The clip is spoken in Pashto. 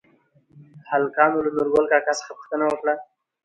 هلکانو له نورګل کاکا څخه پوښتنه وکړه؟